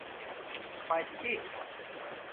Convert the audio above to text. پاچی